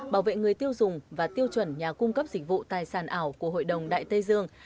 bảo vệ người tiêu dùng và tiêu chuẩn nhà cung cấp dịch vụ tài sản ảo của hội đồng đại tây dương